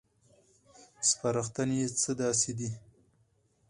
سپارښتنې یې څه داسې دي: